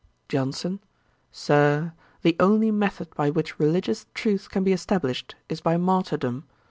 JOHNSON. 'Sir, the only method by which religious truth can be established is by martyrdom.